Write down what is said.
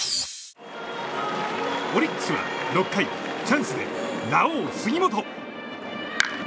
オリックスは６回チャンスでラオウ杉本。